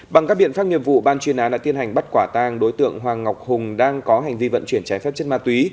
bằng các biện pháp nghiệp vụ ban chuyên án đã tiến hành bắt quả tang đối tượng hoàng ngọc hùng đang có hành vi vận chuyển trái phép chất ma túy